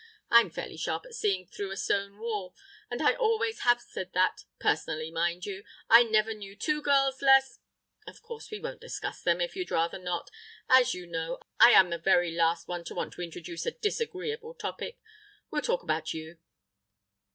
I'm fairly sharp at seeing through a stone wall. And I always have said that—personally, mind you—I never knew two girls less.... "Of course, we won't discuss them if you'd rather not. As you know, I am the very last one to want to introduce a disagreeable topic. We'll talk about you.